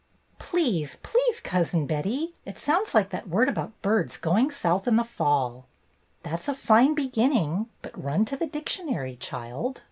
"Please! Please^ Cousin Betty! It sounds like that word about birds going South in the fall." "That 's a fine beginning. But run to the dictionary, child."